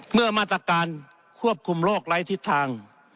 เมื่อมาตรการควบคุมโรคไร้ทิศทาง